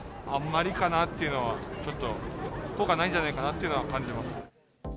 あんまりかなっていうのは、ちょっと、効果ないんじゃないかなっていうのは感じます。